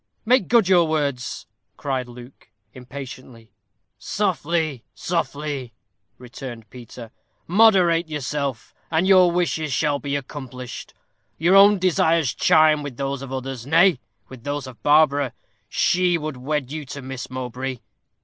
"Make good your words," cried Luke, impatiently. "Softly softly," returned Peter. "Moderate yourself, and your wishes shall be accomplished. Your own desires chime with those of others; nay, with those of Barbara. She would wed you to Miss Mowbray.